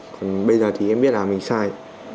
còn bây giờ thì em biết là mình sai